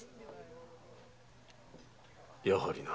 やはりな。